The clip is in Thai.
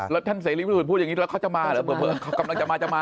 แล้วเขาจะมารึเปลือกำลังจะมา